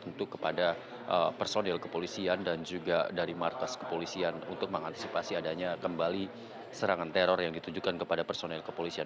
tentu kepada personil kepolisian dan juga dari markas kepolisian untuk mengantisipasi adanya kembali serangan teror yang ditujukan kepada personil kepolisian